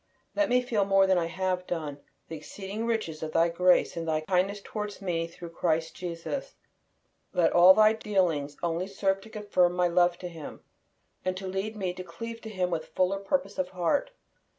Let me feel, more than I have done, the exceeding riches of Thy grace in Thy kindness toward me through Christ Jesus. Let all Thy dealings only serve to confirm my love to Him, and to lead me to cleave to Him with fuller purpose of heart.